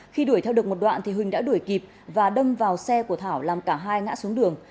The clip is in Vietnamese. khi đuổi theo được một đoạn thì huỳnh đã đuổi kịp và đâm vào xe của thảo làm cả hai ngã xuống đường